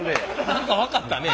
何か分かったね